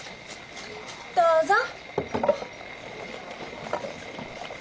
どうぞ。